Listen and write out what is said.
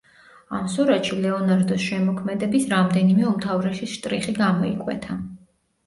ამ სურათში ლეონარდოს შემოქმედების რამდენიმე უმთავრესი შტრიხი გამოიკვეთა.